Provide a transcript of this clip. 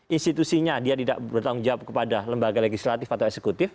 institusinya dia tidak bertanggung jawab kepada lembaga legislatif atau eksekutif